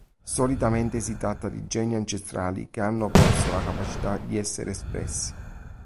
Solitamente si tratta di geni ancestrali che hanno perso la capacità di essere espressi.